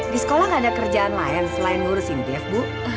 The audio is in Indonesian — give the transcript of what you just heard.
di sekolah gak ada kerjaan lain selain ngurusin dief bu